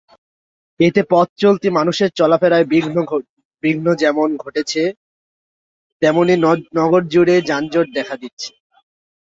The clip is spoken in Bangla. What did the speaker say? এতে পথচলতি মানুষের চলাফেরায় বিঘ্ন যেমন ঘটছে, তেমনি নগরজুড়ে যানজট দেখা দিচ্ছে।